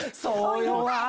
「そうよ